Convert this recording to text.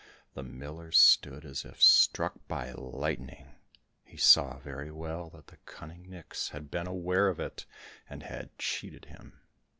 The miller stood as if struck by lightning; he saw very well that the cunning nix had been aware of it, and had cheated him.